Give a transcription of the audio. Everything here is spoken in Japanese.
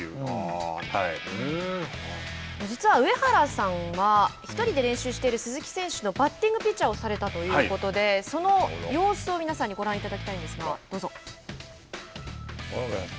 実は上原さんは２人で練習している鈴木選手のバッティングピッチャーをされているということでその様子を皆さんにご覧いただきたいですがどうぞ。